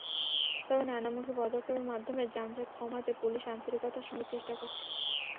তবে নানামুখী পদক্ষেপের মাধ্যমে যানজট কমাতে পুলিশ আন্তরিকতার সঙ্গে চেষ্টা করছে।